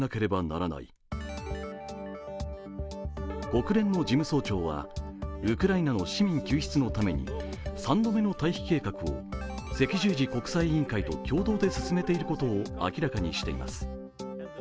国連の事務総長はウクライナの市民救出のために３度目の退避計画を赤十字国際委員会と共同で進めていることを明らかにしています。